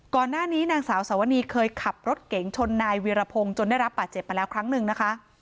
นางสาวสวนีเคยขับรถเก๋งชนนายวีรพงศ์จนได้รับบาดเจ็บมาแล้วครั้งหนึ่งนะคะ